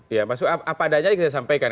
iya maksud apa adanya kita sampaikan